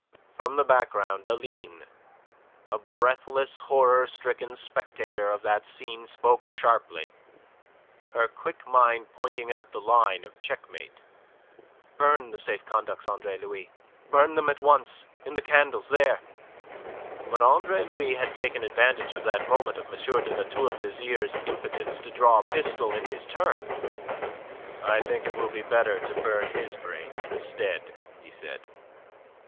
From the background Aline, a breathless, horror stricken spectator of that scene, spoke sharply, her quick mind pointing out the line of checkmate. "Burn the safe conducts, Andre Louis. Burn them at once in the candles there." But Andre Louis had taken advantage of that moment of M. de La Tour d'Azyr's impotence to draw a pistol in his turn. "I think it will be better to burn his brains instead," he said.